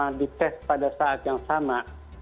kalau dia sudah tes pada saat yang sama